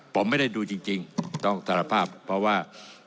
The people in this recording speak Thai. ผมไม่ได้ดูจริงต้องสารภาพเพราะว่า